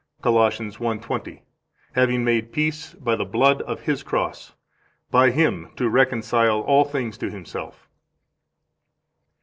146 Col. 1:20: Having made peace by the blood of His cross, by Him to reconcile all things to Himself.